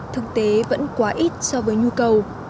thực tế vẫn quá ít so với nhu cầu